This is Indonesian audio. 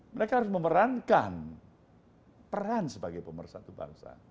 mereka harus memerankan peran sebagai pemersatu bangsa